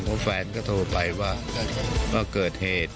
เพราะแฟนก็โทรไปว่าก็เกิดเหตุ